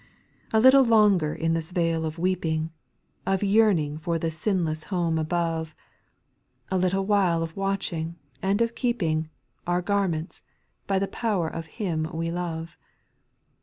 4. A little longer in this vale uf weeping. Of yearning for the sinless homo above ; SPIRITUAL SONGS, 296 A little while of watching, and of keeping, Our garments, by the power of Him we love.